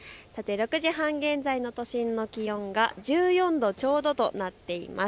６時半現在の都心の気温が１４度ちょうどとなっています。